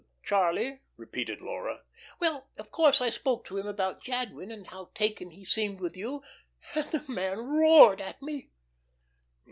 "Charlie?" repeated Laura. "Well, of course I spoke to him about Jadwin, and how taken he seemed with you, and the man roared at me."